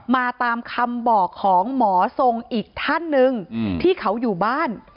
มาตามคำบอกของหมอทรงอีกท่านหนึ่งที่เขาอยู่บ้าน